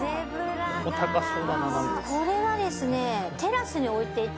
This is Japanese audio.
「これはですね